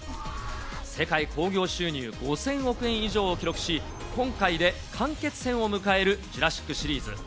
世界興行収入５０００億円以上を記録し、今回で完結編を迎えるジュラシックシリーズ。